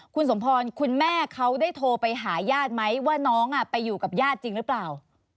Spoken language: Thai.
คุณสมพรคุณแม่เขาได้โทรไปหายาดไหมว่าน้องอ่ะไปอยู่กับยาดหรือเปล่า